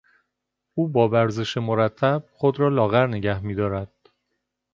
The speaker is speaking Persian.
او با ورزش مرتب خود را لاغر نگه میدارد.